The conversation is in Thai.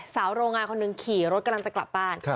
สาวโรงงานคนหนึ่งขี่รถกำลังจะกลับบ้าน